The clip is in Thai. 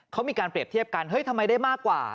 เขามีการเปรียบเทียบกันเฮ้ยทำไมได้มากกว่า